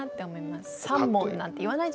三文なんて言わないじゃないですか。